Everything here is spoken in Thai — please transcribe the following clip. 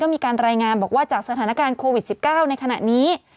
มีการรายงานบอกว่าจากสถานการณ์โควิด๑๙ในขณะนี้